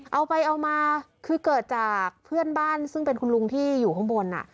เอาไปเอามาคือเกิดจากเพื่อนบ้านซึ่งเป็นคุณลุงที่อยู่ข้างบน